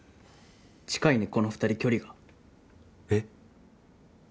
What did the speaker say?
近いねこの２人距離がえっ？